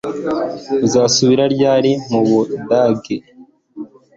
Uzasubira ryari mu Budage